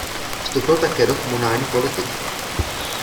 Vstoupil také do komunální politiky.